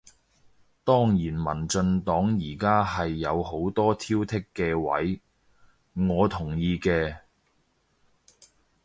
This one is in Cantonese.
當然民進黨而家係有好多挑剔嘅位，我同意嘅